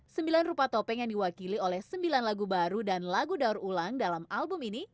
sembilan rupa topeng yang diwakili oleh sembilan lagu baru dan lagu daur ulang dalam album ini